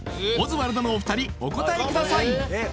オズワルドのお二人お答えください